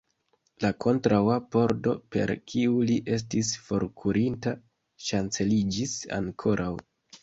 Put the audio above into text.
La kontraŭa pordo, per kiu li estis forkurinta, ŝanceliĝis ankoraŭ.